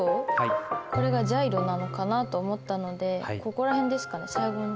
これがジャイロなのかなと思ったのでここら辺ですかね最後の方。